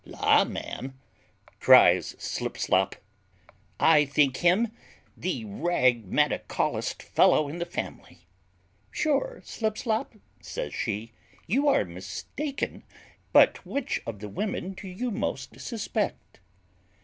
"La! ma'am," cries Slipslop, "I think him the ragmaticallest fellow in the family." "Sure, Slipslop," says she, "you are mistaken: but which of the women do you most suspect?"